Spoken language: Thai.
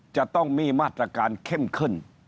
จะต้องมีมาตรการเข้มขึ้น